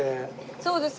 そうです。